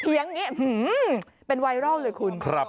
อย่างนี้เป็นไวรัลเลยคุณ